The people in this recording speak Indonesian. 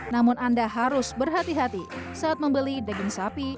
namun anda harus berhati hati saat membeli daging sapi